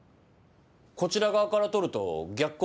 こちら側から撮ると逆光になるから？